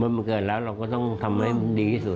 มันเกิดแล้วเราก็ต้องทำให้ดีที่สุด